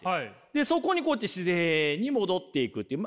でそこにこうやって自然に戻っていくっていう。